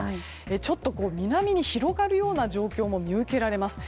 ちょっと南に広がるような状況も見受けられます。